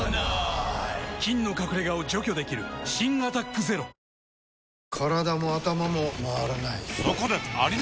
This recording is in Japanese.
菌の隠れ家を除去できる新「アタックＺＥＲＯ」やさしいマーン！！